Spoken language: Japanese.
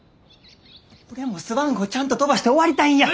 俺もスワン号ちゃんと飛ばして終わりたいんや。